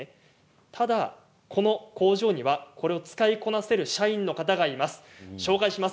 ただこの工場にはこれを使いこなせる社員の方がいらっしゃいます。